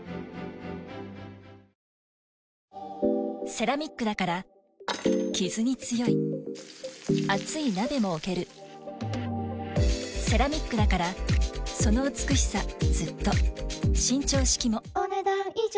セラミックだからキズに強い熱い鍋も置けるセラミックだからその美しさずっと伸長式もお、ねだん以上。